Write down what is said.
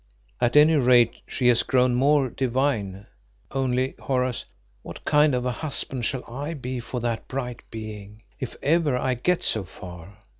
At any rate she has grown more divine only, Horace, what kind of a husband shall I be for that bright being, if ever I get so far?"